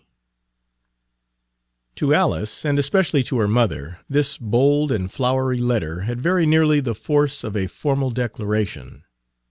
C. To Alice, and especially to her mother, this bold and flowery letter had very nearly the force of a formal declaration.